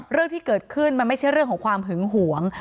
เรื่องที่เกิดขึ้นมันไม่ใช่เรื่องของความหึงหวง